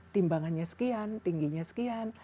timbangannya sekian tingginya sekian